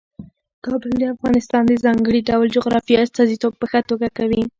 کابل د افغانستان د ځانګړي ډول جغرافیې استازیتوب په ښه توګه کوي.